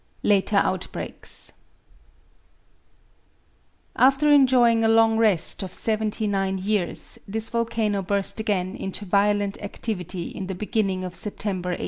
LATER OUTBREAKS After enjoying a long rest of seventy nine years, this volcano burst again into violent activity in the beginning of September, 1845.